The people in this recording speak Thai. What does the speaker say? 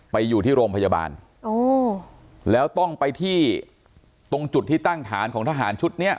ไปอยู่ที่โรงพยาบาลโอ้แล้วต้องไปที่ตรงจุดที่ตั้งฐานของทหารชุดเนี้ย